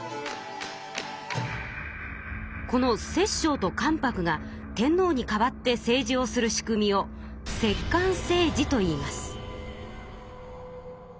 この「摂政」と「関白」が天皇に代わって政治をする仕組みを摂関政治といいます。